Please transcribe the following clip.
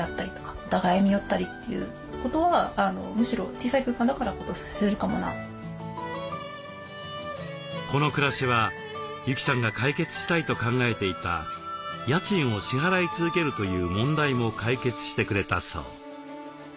小さい空間で距離が近いといったら近いんですけどもこの暮らしは由季さんが解決したいと考えていた家賃を支払い続けるという問題も解決してくれたそう。